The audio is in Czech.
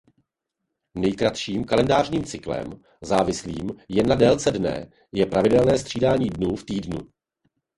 Nejkratším kalendářním cyklem závislým jen na délce dne je pravidelné střídání dnů v týdnu.